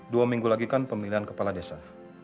dua minggu lagi kan pemilihan kepala desa